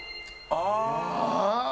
ああ！